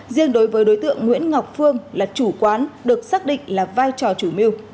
riêng đối với đối tượng nguyễn ngọc phương là chủ quán được xác định là vai trò chủ mưu